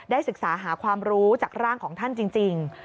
ศึกษาหาความรู้จากร่างของท่านจริง